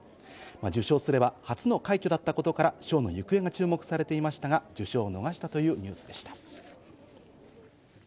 受賞すれば初の快挙だったことから賞の行方が注目されていましたが、受賞を逃したというニュースでした。